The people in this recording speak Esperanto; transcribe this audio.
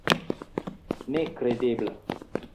Nekredebla!